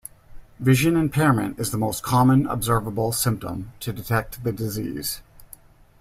Vision impairment is the most common observable symptom to detect the disease.